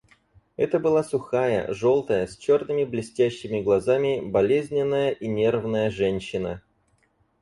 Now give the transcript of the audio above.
Это была сухая, желтая, с черными блестящими глазами, болезненная и нервная женщина.